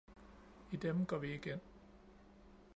I dem går vi ikke ind